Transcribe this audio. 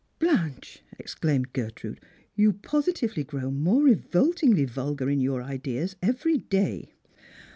" Blanche," exclaimed Gertrude, " you positively grow more revoltingly vulgar in your ideas every day."